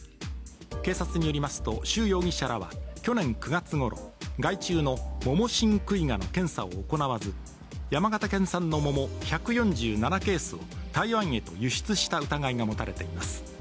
警察によりますと、朱容疑者らは去年９月ごろ、害虫のモモシンクイガの検査を行わず山形県産の桃１４７ケースを台湾へと輸出した疑いが持たれています。